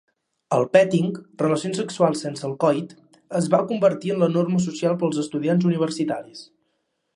El "petting", relacions sexuals sense el coit, es va convertir en la norma social per als estudiants universitaris.